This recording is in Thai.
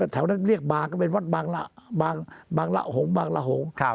แถวนั้นเรียกบางก็เป็นวัดบางระหงค์